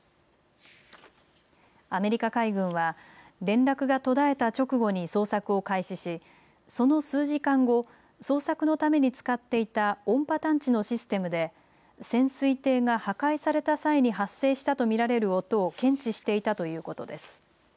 アメリカ海軍は連絡が途絶えた直後に捜索を開始し、その数時間後捜索のために使っていた音波探知のシステムで潜水艇が破壊された際に発生したと見られる音を検知していたということです。